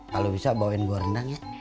kalau bisa bawain gue rendang ya